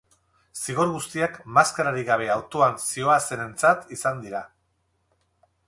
Zigor guztiak maskararik gabe autoan zihoazenentzat izan dira.